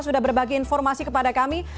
sudah berbagi informasi kepada kami